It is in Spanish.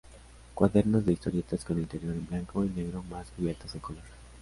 Cuadernos de historietas con interior en blanco y negro más cubiertas en color.